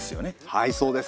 はいそうです。